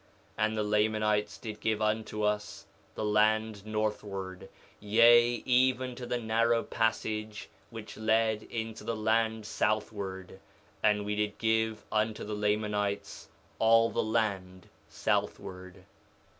2:29 And the Lamanites did give unto us the land northward, yea, even to the narrow passage which led into the land southward. And we did give unto the Lamanites all the land southward.